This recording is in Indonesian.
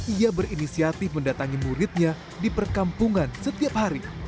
ia berinisiatif mendatangi muridnya di perkampungan setiap hari